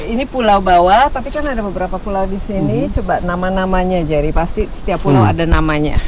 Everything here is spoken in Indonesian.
ini pulau bawah tapi kan ada beberapa pulau di sini coba nama namanya jerry pasti setiap pulau ada namanya